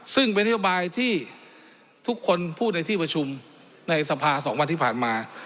ซึ่งเป็นนโยบายที่ทุกคนพูดในที่ประชุมในสภา๒วันที่ผ่านมา